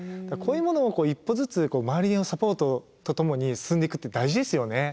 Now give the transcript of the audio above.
こういうものを１歩ずつ周りのサポートとともに進んでいくって大事ですよね。